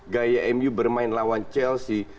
gaya mu bermain lawan chelsea